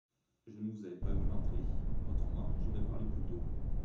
Je ne vous avais pas vu entrer, autrement j'aurais parlé plus tôt.